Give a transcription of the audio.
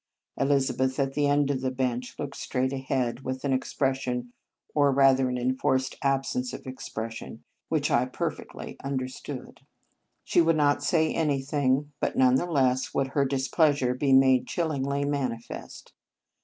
Elizabeth, at the end of the bench, looked straight ahead, with an expression, or rather an en forced absence of expression, which I perfectly understood. She would not say anything, but none the less would her displeasure be made chillingly manifest.